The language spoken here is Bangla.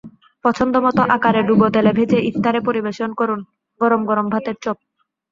পছন্দমতো আকারে ডুবো-তেলে ভেজে ইফতারে পরিবেশন করুন গরম গরম ভাতের চপ।